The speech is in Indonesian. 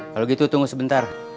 kalau gitu tunggu sebentar